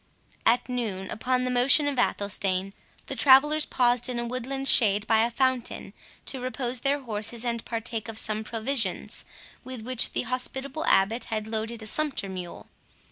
At noon, upon the motion of Athelstane, the travellers paused in a woodland shade by a fountain, to repose their horses and partake of some provisions, with which the hospitable Abbot had loaded a sumpter mule.